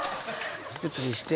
ちょっと見して。